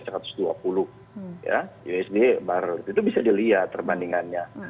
ya usb baru itu bisa dilihat perbandingannya